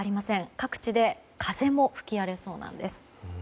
各地で風も吹き荒れそうなんです。